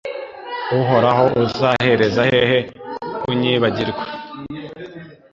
Uhoraho uzahereza hehe kunyibagirwa?